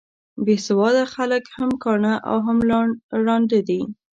بې سواده خلک هم کاڼه او هم ړانده دي.